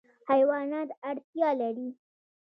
حیوانات اړتیا لري.